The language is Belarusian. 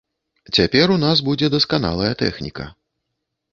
Цяпер у нас будзе дасканалая тэхніка.